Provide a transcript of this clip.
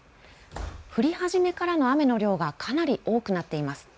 降り始めからの雨の量がかなり多くなっています。